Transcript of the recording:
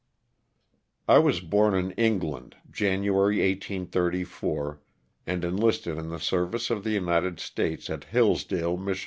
I WAS born in England, January, 1834, and enlisted ^ in the service of the United States at Hillsdale, Mich.